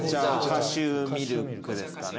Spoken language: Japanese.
カシューミルクですかね。